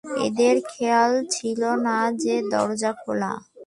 এদের খেয়াল ছিল না যে, দরজা খোলা।